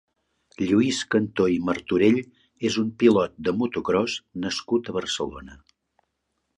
Lluís Cantó i Martorell és un pilot de motocròs nascut a Barcelona.